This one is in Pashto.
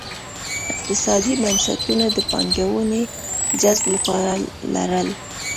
اقتصادي بنسټونو د پانګونې جذب لپاره لرل.